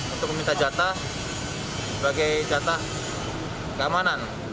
untuk meminta jatah sebagai jatah keamanan